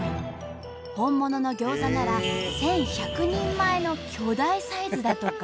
本物のギョーザなら１，１００人前の巨大サイズだとか。